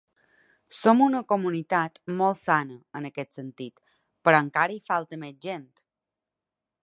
Som una comunitat molt sana, en aquest sentit, però encara hi falta més gent!